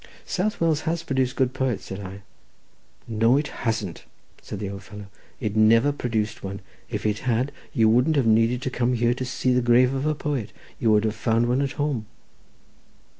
"South Wales has produced good poets," said I. "No, it hasn't," said the old fellow; "it never produced one. If it had you wouldn't have needed to come here to see the grave of a poet; you would have found one at home."